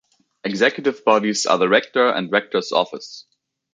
Executive bodies are the Rector and Rector's office.